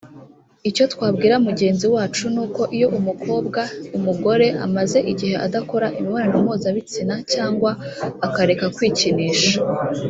Icyo twabwira mugenzi wacu ni uko iyo umukobwa-umugore amaze igihe adakora imibonano mpuzabitsina cyangwa akareka kwikinisha